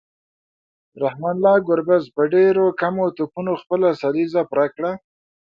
رحمان الله ګربز په ډیرو کمو توپونو خپله سلیزه پوره کړه